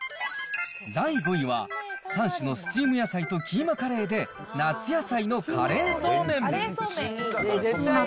第５位は、３種のスチーム野菜とキーマカレーで夏野菜のカレーそうめん。